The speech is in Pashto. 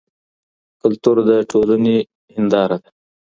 کلتور د ټولني هنداره ده.